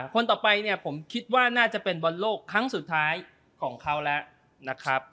คนต่อไปเนี่ยผมคิดว่าน่าจะเป็นบอลโลกครั้งสุดท้ายของเขาแล้วนะครับ